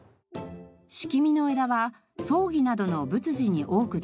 シキミの枝は葬儀などの仏事に多く使われています。